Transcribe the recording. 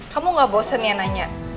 kamu gak bosen ya nanya